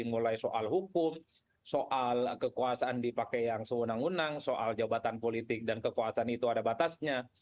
mulai soal hukum soal kekuasaan dipakai yang sewenang wenang soal jabatan politik dan kekuasaan itu ada batasnya